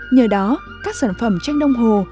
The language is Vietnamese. nhờ đó các sản phẩm tranh đông hồ